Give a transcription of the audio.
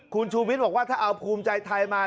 คุณชูวิทย์บอกว่าถ้าเอาภูมิใจไทยมา